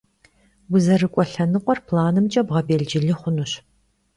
УзэрыкӀуэ лъэныкъуэр планымкӀэ бгъэбелджылы хъунущ.